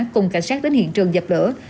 cùng cảnh sát đến hiện trường dập lửa